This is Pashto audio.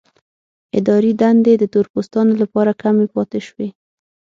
اداري دندې د تور پوستانو لپاره کمې پاتې شوې.